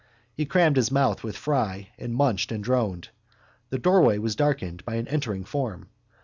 _ He crammed his mouth with fry and munched and droned. The doorway was darkened by an entering form.